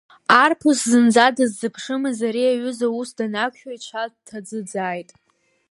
Арԥыс зынӡа дыззыԥшымыз ари аҩыза аус данақәшәа ицәа дҭаӡыӡааит.